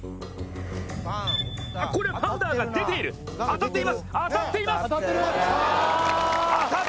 あ、これはパウダーが出ている、当たっています、当たっていました！